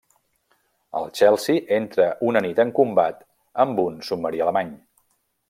El Chelsea entra una nit en combat amb un submarí alemany.